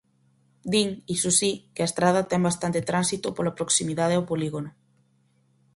Din, iso si, que a estrada ten bastante tránsito pola proximidade ao polígono.